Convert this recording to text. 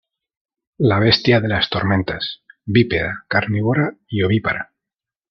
La bestia de las tormentas, bípeda, carnívora y ovípara.